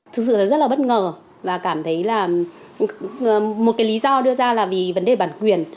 thực sự là rất là bất ngờ và cảm thấy là một cái lý do đưa ra là vì vấn đề bản quyền